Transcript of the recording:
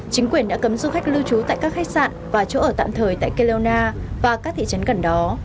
chính quyền đã cấm du khách lưu trú tại các khách sạn và chỗ ở tạm thời tại kelona và các thị trấn gần đó